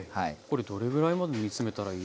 これどれぐらいまで煮詰めたらいいですか？